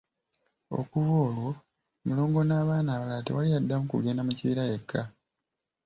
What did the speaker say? Okuva olwo Mulongo n'abaana abalala tewali yaddamu kugenda mu kibira yekka.